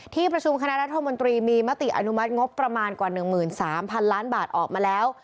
ที่ประชุมคณะรัฐมนตรีมีมติอนุมัติงบประมาณกว่า๑๓๐๐๐ล้านบาทออกมาแล้ว